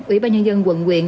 ủy ban nhân dân quận quyện